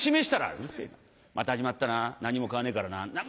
「うるせぇまた始まったな何も買わねえからな」。